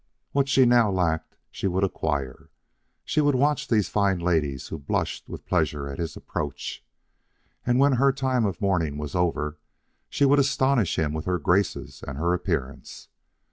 What she now lacked, she would acquire. She would watch these fine ladies who blushed with pleasure at his approach, and when her time of mourning was over she would astonish him with her graces and her appearance.